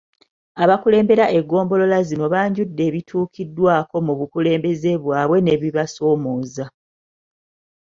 Abakulembera eggombolola zino banjudde ebituukiddwako mu bukulembeze bwabwe n’ebibasoomooza.